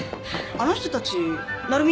あの人たち成海